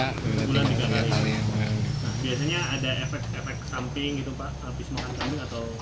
biasanya ada efek efek samping gitu pak habis makan kambing atau